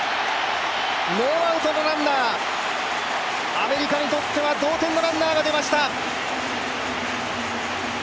アメリカにとっては同点のランナーが出ました。